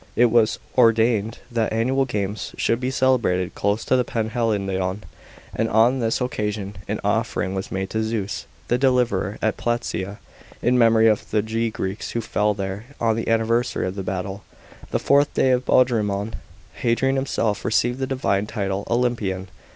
It was ordained that annual games should be celebrated close to the Panhellenion, and on this occasion an offering was made to Zeus the Deliverer at Platsea in memory of the (ji reeks who fell there, on the anniversary of the battle, the fourth day of Boedromion. Hadrian himself received the divine title "Olympian."